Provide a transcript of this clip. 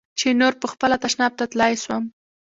چې نور پخپله تشناب ته تلاى سوم.